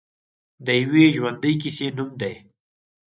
د یوې ژوندۍ کیسې نوم دی.